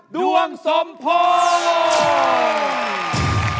ดวงสมโพธิ์